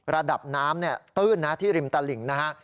ระดับน้ำตื้นนะที่ริมตลิ่งนะฮะ